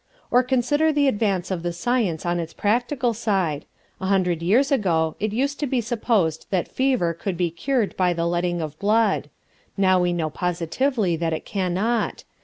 Or consider the advance of the science on its practical side. A hundred years ago it used to be supposed that fever could be cured by the letting of blood; now we know positively that it cannot.